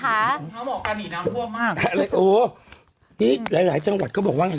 เขาบอกการหนีน้ำท่วมมากโอ้นี่หลายหลายจังหวัดก็บอกว่าไง